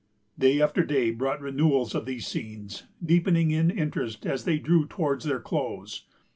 Day after day brought renewals of these scenes, deepening in interest as they drew towards their close.